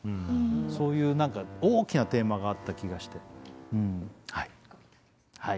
そういう何か大きなテーマがあった気がしてうんはい。